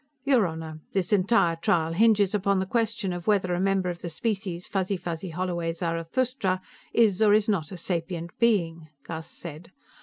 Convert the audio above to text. "Your Honor, this entire trial hinges upon the question of whether a member of the species Fuzzy fuzzy holloway zarathustra is or is not a sapient being," Gus said.